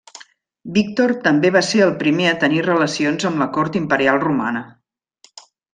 Víctor també va ser el primer a tenir relacions amb la cort imperial romana.